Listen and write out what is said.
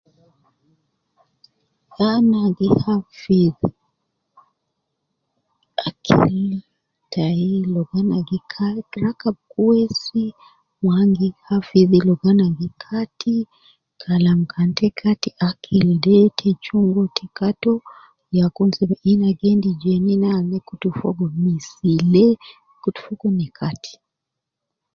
Ana gi hafidh, akili tai logo ana gi kati, rakab kwesi wu an gi hafidhi ligo ana gi Kati Kalam kan te Kati akil de, te juru te Kati uwo ya kul ina gi endi jenina ne kutu fi missile, kutu fogo ne kati